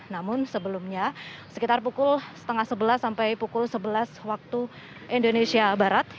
namun sebelumnya sekitar pukul setengah sebelas sampai pukul sebelas waktu indonesia barat